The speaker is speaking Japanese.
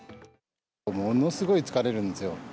ものすごい疲れるんですよ。